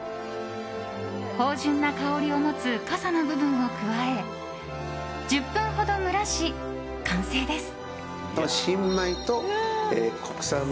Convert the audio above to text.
芳醇な香りを持つかさの部分を加え１０分ほど蒸らし、完成です。